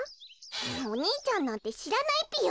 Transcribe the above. お兄ちゃんなんてしらないぴよ！